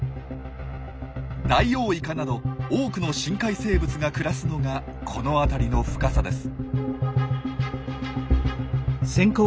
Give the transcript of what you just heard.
ダイオウイカなど多くの深海生物が暮らすのがこの辺りの深さです。